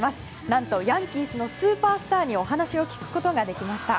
何とヤンキースのスーパースターにお話を聞くことができました。